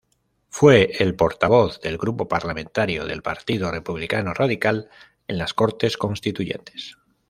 Fue el portavoz del grupo parlamentario del Partido Republicano Radical en las Cortes Constituyentes.